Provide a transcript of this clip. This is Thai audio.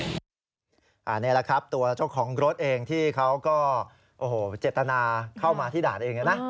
นี่แหละครับตัวเจ้าของรถเองที่เขาก็โอ้โหเจตนาเข้ามาที่ด่านเองนะ